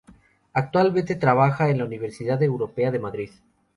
Actualmente trabaja en la Universidad Europea de Madrid.